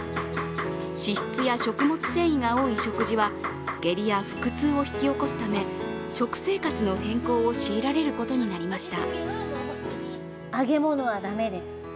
脂質や食物繊維が多い食事は、下痢や腹痛を引き起こすため食生活の変更を強いられることになりました。